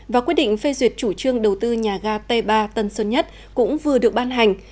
và quyết định phê duyệt chủ trương đầu tư nhà ga t ba tân sơn nhất cũng vừa được ban hành